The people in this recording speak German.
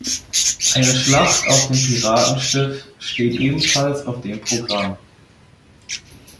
Eine Schlacht auf dem Piratenschiff steht ebenfalls auf dem Programm.